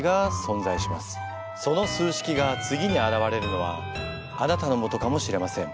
その数式が次にあらわれるのはあなたのもとかもしれません。